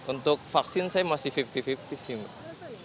untuk vaksin saya masih lima puluh lima puluh sih mbak